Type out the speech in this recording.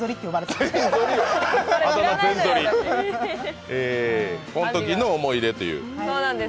このときの思い出という。